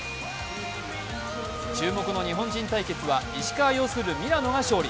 注目の日本人対決は石川擁するミラノが勝利。